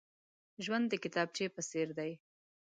ژوند د کتابچې په څېر دی.